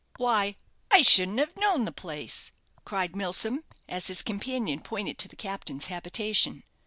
"Why I shouldn't have known the place!" cried Milsom, as his companion pointed to the captain's habitation.